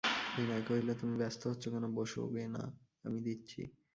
বিনয় কহিল, তুমি ব্যস্ত হচ্ছ কেন, বোসোগে-না, আমি দিচ্ছি।